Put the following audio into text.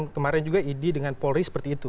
kemarin juga idi dengan polri seperti itu